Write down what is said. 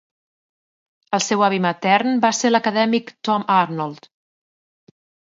El seu avi matern va ser l'acadèmic Tom Arnold.